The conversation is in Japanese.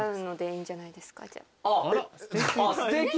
すてき！